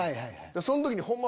そん時にホンマ